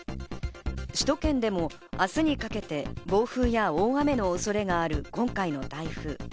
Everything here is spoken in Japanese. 首都圏でも明日にかけて暴風や大雨の恐れがある今回の台風。